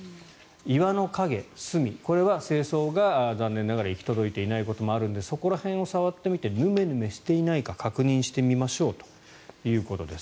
岩の陰、隅これは清掃が残念ながら行き届いていないこともあるのでヌメヌメしていないか確認してみましょうということです。